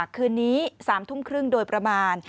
คืนนี้๓ทุ่มครึ่งโดยประมาณ